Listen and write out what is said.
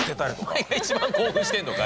お前が一番興奮してんのかい。